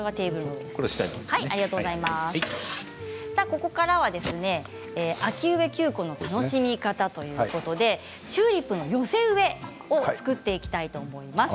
ここからは秋植え球根の楽しみ方ということでチューリップの寄せ植えを作っていきたいと思います。